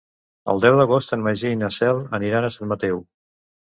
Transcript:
El deu d'agost en Magí i na Cel aniran a Sant Mateu.